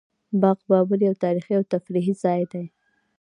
باغ بابر یو تاریخي او تفریحي ځای دی